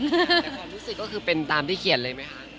แต่ความรู้สึกก็คือเป็นตามที่เขียนเลยไหมคะ